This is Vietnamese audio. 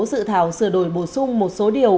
dự thảo sửa đổi bổ sung một số điều